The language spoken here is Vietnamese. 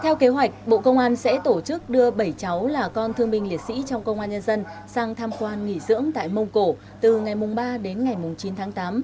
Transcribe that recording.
theo kế hoạch bộ công an sẽ tổ chức đưa bảy cháu là con thương binh liệt sĩ trong công an nhân dân sang tham quan nghỉ dưỡng tại mông cổ từ ngày ba đến ngày chín tháng tám